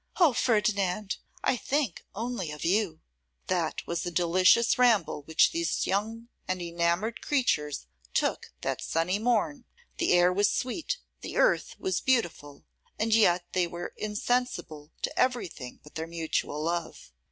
O Ferdinand! I think only of you!' That was a delicious ramble which these young and enamoured creatures took that sunny morn! The air was sweet, the earth was beautiful, and yet they were insensible to everything but their mutual love.